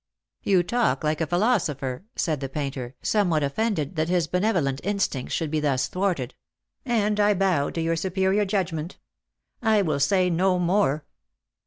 "You talk like a philosopher," said the painter, somewhat offended that his benevolent instincts should be thus thwarted, 96 Lost for Love. " and I bow to your superior judgment. I will say no more."